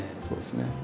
そうですね。